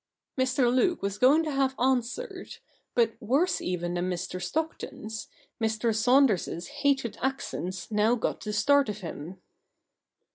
Mr. Luke was going to have answered ; but, worse even than Mr. Stockton's, Mr. Saunders's hated accents now got the start of him.